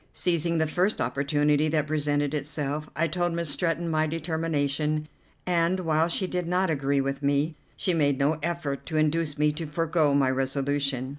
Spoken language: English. Seizing the first opportunity that presented itself, I told Miss Stretton my determination, and, while she did not agree with me, she made no effort to induce me to forego my resolution.